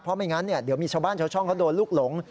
เพราะไม่งั้นเดี๋ยวมีชาวบ้านชาวช่องเขาโดนลูกหลง